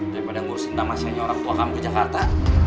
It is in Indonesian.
daripada ngurusin namanya orang tua kamu ke jakarta